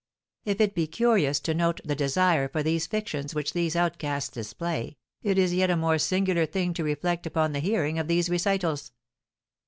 If it be curious to note the desire for these fictions which these outcasts display, it is yet a more singular thing to reflect upon the hearing of these recitals.